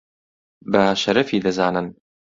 بە شەرەفی دەزانن